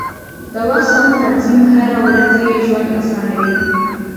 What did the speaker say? د وخت سم تنظیم هره ورځي ژوند اسانوي.